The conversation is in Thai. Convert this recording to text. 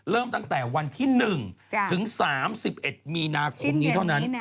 เริ่มตั้งแต่วันที่๑ถึง๓๑มีนาคมนี้เท่านั้น